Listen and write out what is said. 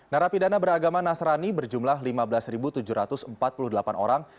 narapidana beragama nasrani berjumlah lima belas tujuh ratus empat puluh delapan orang